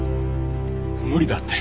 無理だって。